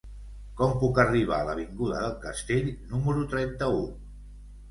Com puc arribar a l'avinguda del Castell número trenta-u?